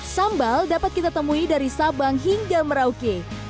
sambal dapat kita temui dari sabang hingga merauke